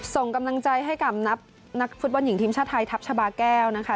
ส่งกำลังใจให้กับนักฟุตบอลหญิงทีมชาติไทยทัพชาบาแก้วนะคะ